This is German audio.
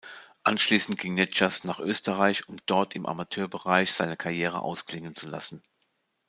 Anschließend ging Nečas nach Österreich, um dort im Amateurbereich seine Karriere ausklingen zu lassen.